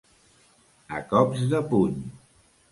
A cops de puny.